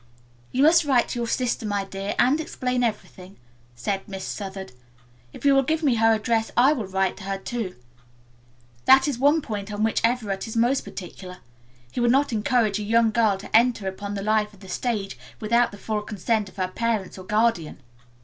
"You must write to your sister, my dear, and explain everything," said Miss Southard. "If you will give me her address I will write to her too. That is one point on which Everett is most particular. He would not encourage a young girl to enter upon the life of the stage without the full consent of her parents or guardian."